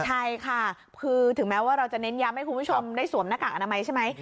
ใช่ค่ะคือถึงแม้ว่าเราจะเน้นย้ำให้คุณผู้ชมได้สวมหน้ากากอนามัยใช่ไหม